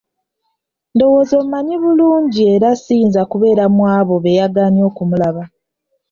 Ndowooza ommanyi bulungi era siyinza kubeera mu abo beyagaanye okumulaba.